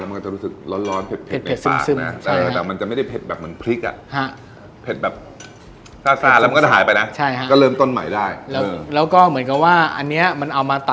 มันก็ใช้ส่วนผสมของเกือบ๒๐อย่างนะฮะ